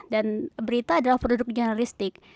dan berita adalah produk jurnalistik